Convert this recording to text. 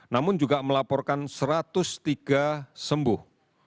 namun juga melaporkan satu ratus tiga sembuh